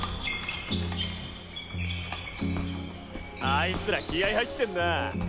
あいつら気合入ってんなぁ。